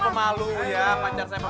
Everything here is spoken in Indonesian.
kenapa mau lewat jalan mbak